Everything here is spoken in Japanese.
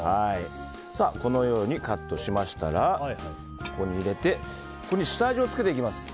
このようにカットしましたらここに入れてここに下味をつけていきます。